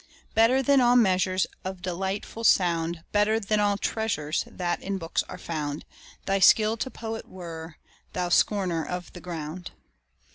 Better than all measures Of delightful sound, Better than all treasures That in books are found, Thy skill to poet were, thou scorner of the ground!